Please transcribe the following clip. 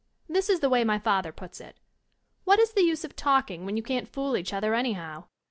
This is the way my father puts it: ''What is the use of talk ing, when you can't fool each other anyhow?